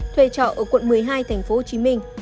thuê trọ ở quận một mươi hai tp hcm